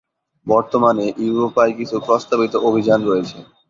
বর্তমানে ইউরোপায় কিছু প্রস্তাবিত অভিযান রয়েছে।